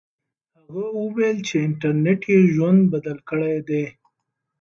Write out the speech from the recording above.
هغه وویل چې انټرنیټ یې ژوند بدل کړی دی.